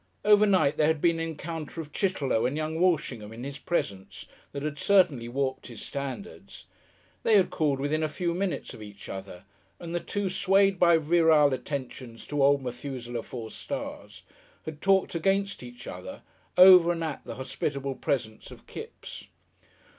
Overnight there had been an encounter of Chitterlow and young Walshingham in his presence, that had certainly warped his standards. They had called within a few minutes of each other, and the two swayed by virile attentions to Old Methuselah Four Stars, had talked against each other, over and at the hospitable presence of Kipps.